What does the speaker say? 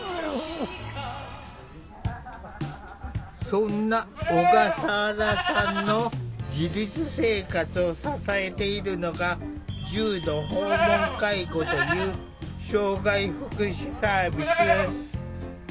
そんな小笠原さんの自立生活を支えているのが重度訪問介護という障害福祉サービス。